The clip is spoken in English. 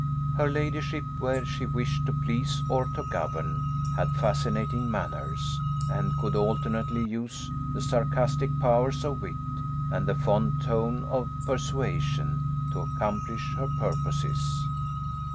Her ladyship, where she wished to please or to govern, had fascinating manners, and could alternately use the sarcastic powers of wit, and the fond tone of persuasion, to accomplish her purposes.